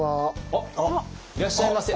あっいらっしゃいませ。